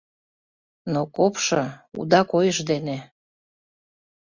Но копшо, уда койыш дене